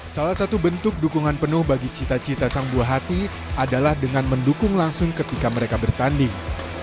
salah satu bentuk dukungan penuh bagi cita cita sang buah hati adalah dengan mendukung langsung ketika mereka bertanding